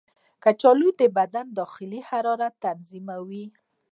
کچالو د بدن داخلي حرارت تنظیموي.